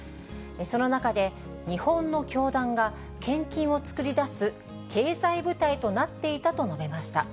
その中で、日本の教団が献金を作り出す経済部隊となっていたと述べました。